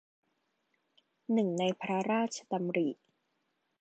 หนึ่งในพระราชดำริ